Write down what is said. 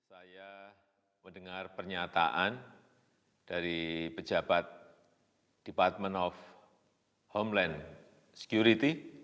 saya mendengar pernyataan dari pejabat department of homeland security